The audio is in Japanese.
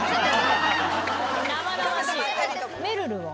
めるるは？